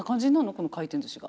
この回転寿司が。